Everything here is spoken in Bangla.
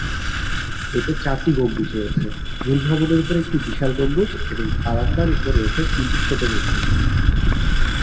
এতে চারটি গম্বুজ রয়েছে; মূল ভবনের উপর একটি বিশাল গম্বুজ এবং বারান্দার উপর রয়েছে তিনটি ছোট গম্বুজ।